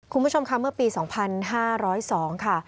คุณผู้ชมค่ะเมื่อปี๒๕๐๒ค่ะ